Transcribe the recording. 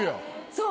そう。